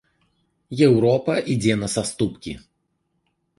Еўропа ідзе на саступкі.